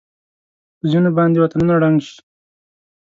په ځېنو باندې وطنونه ړنګ شي.